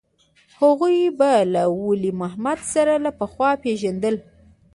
هغوى به له ولي محمد سره له پخوا پېژندل.